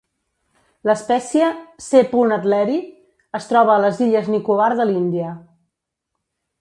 L'espècie "C. adleri" es troba a les illes Nicobar de l'Índia.